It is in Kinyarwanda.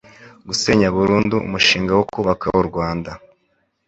gusenya burundu umushinga wo kubaka u Rwanda